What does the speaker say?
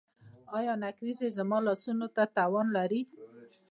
ایا نکریزې زما لاسونو ته تاوان لري؟